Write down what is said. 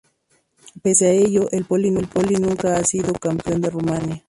Pese a ello, el Poli nunca ha sido campeón de Rumania.